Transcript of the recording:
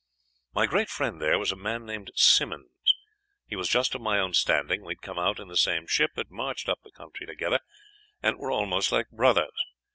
"My great friend there was a man named Simmonds. He was just of my own standing; we had come out in the same ship, had marched up the country together, and were almost like brothers.